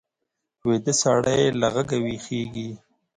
ویده سړی له غږه ویښېږي